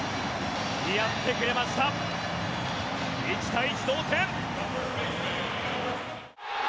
やってくれました１対１、同点。